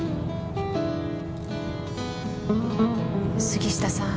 杉下さん